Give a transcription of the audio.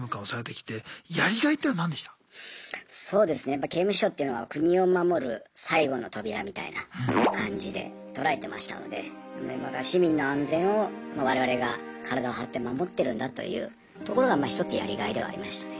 やっぱ刑務所っていうのは国を守る最後の扉みたいな感じで捉えてましたので市民の安全を我々が体を張って守ってるんだというところが一つやりがいではありましたね。